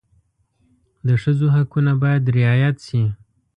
د ښځو حقونه باید رعایت شي.